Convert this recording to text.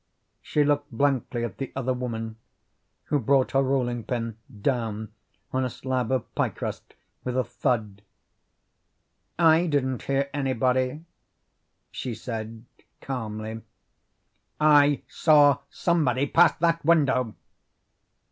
She looked blankly at the other woman, who brought her rolling pin down on a slab of pie crust with a thud. "I didn't hear anybody," she said calmly. "I SAW SOMEBODY PASS THAT WINDOW!"